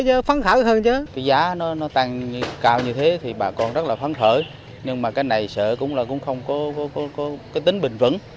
cái giá nó tăng cao như thế thì bà con rất là phán thở nhưng mà cái này sợ cũng không có tính bình vẩn